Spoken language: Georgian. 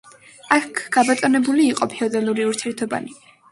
აქ გაბატონებული იყო ფეოდალური ურთიერთობანი.